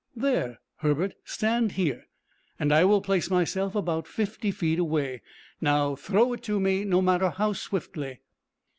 "There, Herbert, stand here, and I will place myself about fifty feet away. Now, throw it to me, no matter how swiftly."